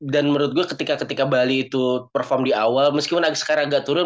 dan menurut gue ketika ketika bali itu perform di awal meskipun skr new agak turun